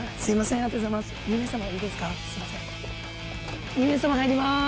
ありがとうございます。